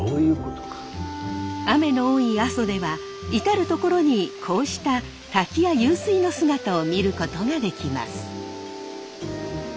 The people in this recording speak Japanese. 雨の多い阿蘇では至る所にこうした滝や湧水の姿を見ることができます。